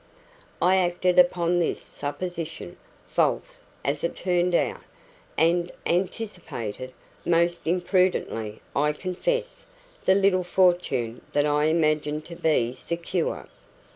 I acted upon this supposition, false, as it turned out, and anticipated, most imprudently, I confess, the little fortune that I imagined to be secure.